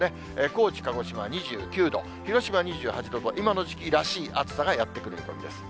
高知、鹿児島２９度、広島２８度と今の時期らしい暑さがやって来る見込みです。